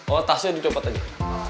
oh tasnya dicompet aja